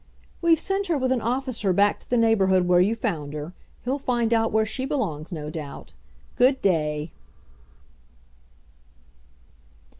"We've sent her with an officer back to the neighborhood where you found her. He'll find out where she belongs, no doubt. Good day."